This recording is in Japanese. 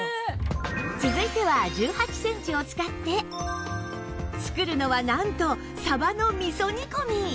続いては１８センチを使って作るのはなんとさばの味噌煮込み